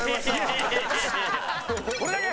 これだけ？